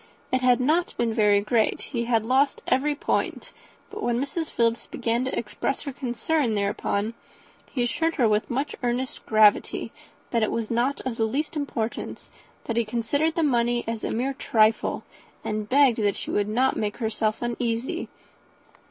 It had not been very great; he had lost every point; but when Mrs. Philips began to express her concern thereupon, he assured her, with much earnest gravity, that it was not of the least importance; that he considered the money as a mere trifle, and begged she would not make herself uneasy.